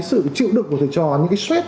sự chịu đựng của người trò những cái stress